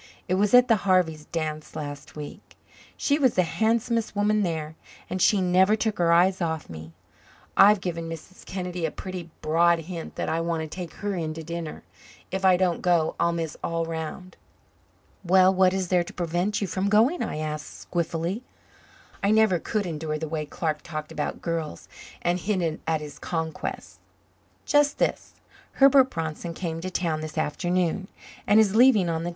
It was at the Harvey's dance last week. She was the handsomest woman there, and she never took her eyes off me. I've given Mrs. Kennedy a pretty broad hint that I want to take her in to dinner. If I don't go I'll miss all round." "Well, what is there to prevent you from going?" I asked, squiffily. I never could endure the way Clark talked about girls and hinted at his conquests. "Just this. Herbert Bronson came to town this afternoon and is leaving on the 10.